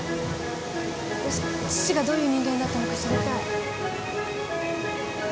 あたし父がどういう人間だったのか知りたい。